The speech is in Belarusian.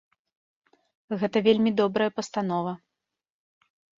Гэта вельмі добрая пастанова.